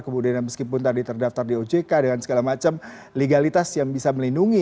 kemudian meskipun tadi terdaftar di ojk dengan segala macam legalitas yang bisa melindungi